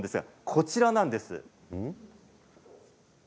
こちらなんです。